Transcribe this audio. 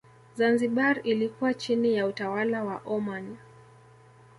Zanzibar ilikuwa chini ya utawala wa Oman